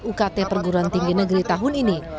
ukt perguruan tinggi negeri tahun ini